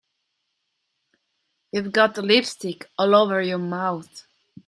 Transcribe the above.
You've got lipstick all over your mouth.